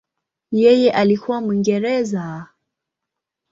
Yeye alikuwa Mwingereza.